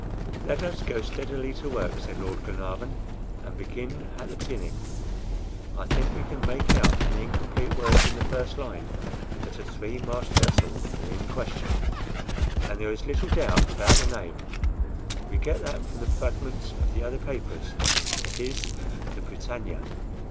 "Let us go steadily to work," said Lord Glenarvan, "and begin at the beginning. I think we can make out from the incomplete words in the first line that a three mast vessel is in question, and there is little doubt about the name; we get that from the fragments of the other papers; it is the BRITANNIA.